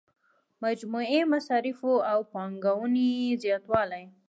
مجموعي مصارفو او پانګونې زیاتوالی.